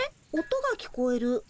音が聞こえる。